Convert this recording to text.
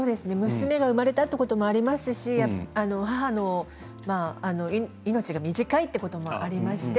娘が生まれたということもありますし母の命が短いということもありまして